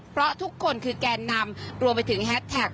เพราะทุกคนคือแกนนำรวมไปถึงแฮสแท็ก